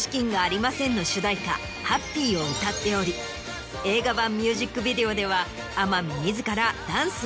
『Ｈａｐｐｙ！』を歌っており映画版ミュージックビデオでは。